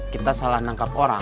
kita salah nangkap orang